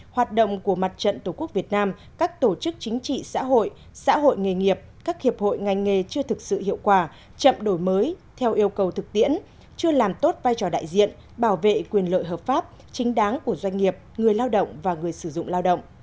hoạt động của mặt trận tổ quốc việt nam các tổ chức chính trị xã hội xã hội nghề nghiệp các hiệp hội ngành nghề chưa thực sự hiệu quả chậm đổi mới theo yêu cầu thực tiễn chưa làm tốt vai trò đại diện bảo vệ quyền lợi hợp pháp chính đáng của doanh nghiệp người lao động và người sử dụng lao động